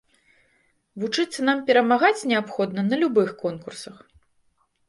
Вучыцца нам перамагаць неабходна на любых конкурсах.